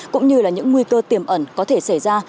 cũng như là những nguy cơ tiềm ẩn có thể xảy ra